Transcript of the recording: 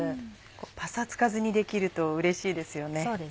パサつかずに出来るとうれしいですよね。